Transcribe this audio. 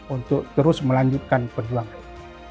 untuk terus melanjutkan perjuangan